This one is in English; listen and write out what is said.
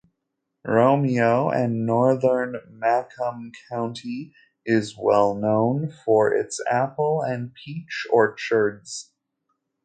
Romeo and northern Macomb County is well known for its apple and peach orchards.